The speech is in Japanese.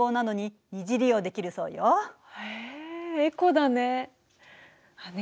へえエコだね。